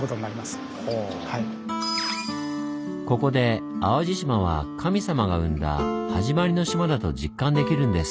それだけここで淡路島は神様が生んだ「はじまりの島」だと実感できるんです。